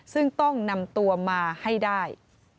ซึ่งต้องนำตัวมาให้ได้